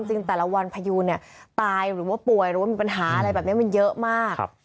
จริงแต่ละวันพยูนเนี่ยตายหรือว่าป่วยหรือว่ามีปัญหาอะไรแบบนี้มันเยอะมาก